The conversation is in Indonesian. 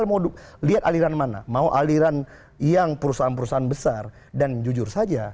jokowi ma'ruf menerima dari perkumpulan golfer